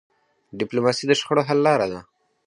ډيپلوماسي د شخړو حل لاره ده.